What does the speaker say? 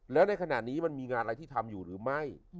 แล้วในขณะนี้มันมีงานอะไรที่ทำอยู่หรือไม่